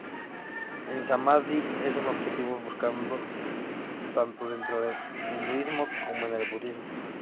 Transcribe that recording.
El "samadhi" es un objetivo buscado tanto dentro del hinduismo como en el budismo.